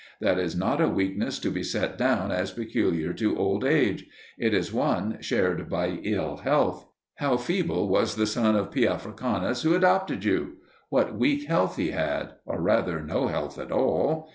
That is not a weakness to be set down as peculiar to old age: it is one shared by ill health. How feeble was the son of P. Africanus, who adopted you! What weak health he had, or rather no health at all!